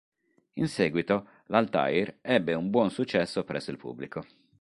In seguito, l'Altair ebbe un buon successo presso il pubblico.